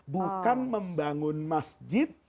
bukan membangun masjid